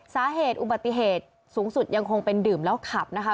สาเหตุอุบัติเหตุสูงสุดยังคงเป็นดื่มแล้วขับนะคะ